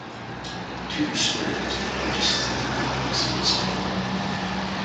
Tudor Square is the largest theatre complex outside London.